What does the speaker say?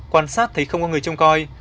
quan sát thấy không có người trông coi